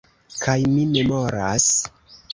Kaj mi memoras...